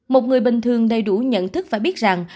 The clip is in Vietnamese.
một người bình thường đầy đủ nhận thức và biết rằng